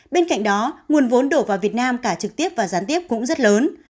bên cạnh đó nguồn vốn đổ vào việt nam cả trực tiếp và gián tiếp cũng rất lớn